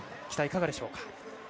期待、いかがでしょうか。